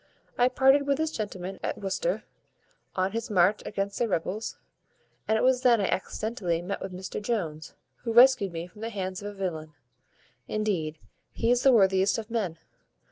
I parted with this gentleman at Worcester, on his march against the rebels, and it was then I accidentally met with Mr Jones, who rescued me from the hands of a villain. Indeed, he is the worthiest of men.